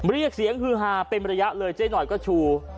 เรียกเสียงฮือฮาเป็นระยะเลยเจ๊หน่อยก็ชู